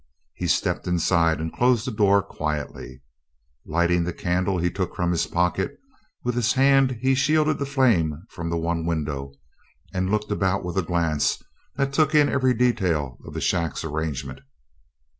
He stepped inside and closed the door quietly. Lighting the candle he took from his pocket, with his hand he shielded the flame from the one window, and looked about with a glance that took in every detail of the shack's arrangement.